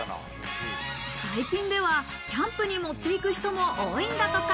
最近ではキャンプに持っていく人も多いんだとか。